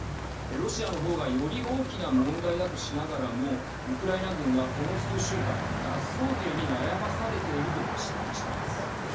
ロシアの方がより大きな問題だとしながらもウクライナ軍は、この数週間脱走兵に悩まされていると指摘したんです。